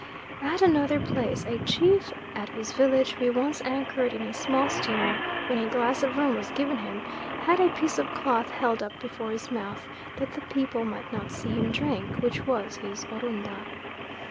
"At another place, a chief at whose village we once anchored in a small steamer when a glass of rum was given him, had a piece of cloth held up before his mouth that the people might not see him drink, which was his Orunda."